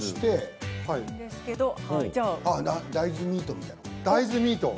大豆ミートみたいなもの？